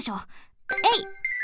えい！